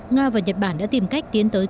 nga và nhật bản đã tìm cách tiến tới